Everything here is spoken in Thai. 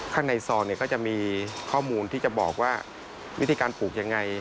ข้างในซอเนี่ยก็จะมีข้อมูลที่จะบอกว่าวิธีการปลูกยังไง